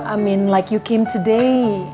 i mean like you came today